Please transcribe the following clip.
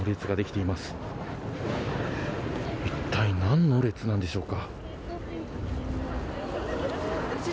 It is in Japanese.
いったい何の列なんでしょうか。